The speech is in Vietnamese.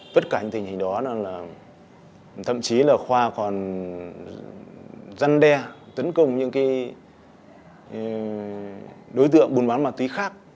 tất cả những tình hình đó là thậm chí là khoa còn dân đe tấn công những đối tượng buôn bán máu thúy khác